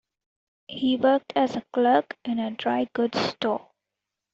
He worked as a clerk in a dry goods store.